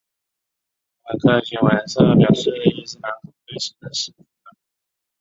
阿马克新闻社表示伊斯兰国对此事负责。